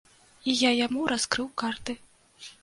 І я яму раскрыў карты.